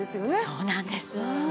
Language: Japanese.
そうなんです。